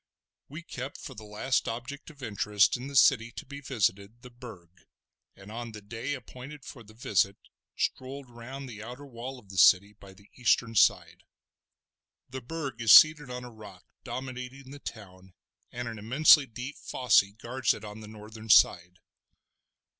We kept for the last object of interest in the city to be visited the Burg, and on the day appointed for the visit strolled round the outer wall of the city by the eastern side. The Burg is seated on a rock dominating the town and an immensely deep fosse guards it on the northern side.